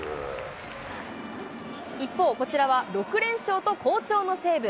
一方、こちらは６連勝と好調の西武。